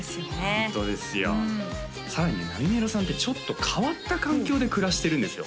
ホントですよさらになみめろさんってちょっと変わった環境で暮らしてるんですよ